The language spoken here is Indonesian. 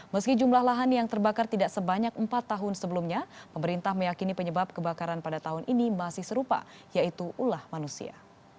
meski jumlah lahan yang terbakar tidak sebanyak empat tahun sebelumnya pemerintah meyakini penyebab kebakaran pada tahun ini masih serupa yaitu ulah manusia